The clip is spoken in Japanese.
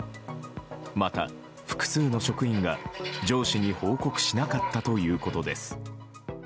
また複数の職員が上司に報告しなかったということです。